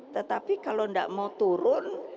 tetapi kalau tidak mau turun